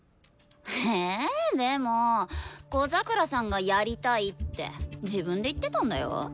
えでも小桜さんがやりたいって自分で言ってたんだよ。